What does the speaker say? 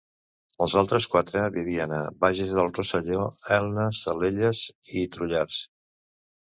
Els altres quatre vivien a Bages de Rosselló, Elna, Salelles i Trullars.